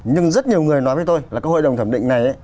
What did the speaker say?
nhưng rất nhiều người nói với tôi là cái hội đồng thẩm định này